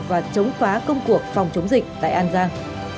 và chống phá công cuộc phòng chống dịch tại an giang